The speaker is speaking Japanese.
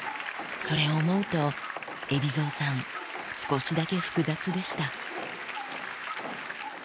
それを思うと、海老蔵さん、少しだけ複雑でした。